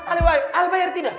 alih wajib alih bayar tidak